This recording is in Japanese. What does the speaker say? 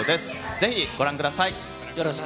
ぜひご覧ください。